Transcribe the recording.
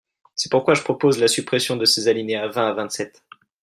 C’est pourquoi je propose la suppression de ces alinéas vingt à vingt-sept.